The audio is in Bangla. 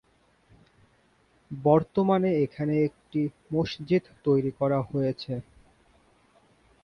বর্তমানে এখানে একটি মসজিদ তৈরি করা হয়েছে।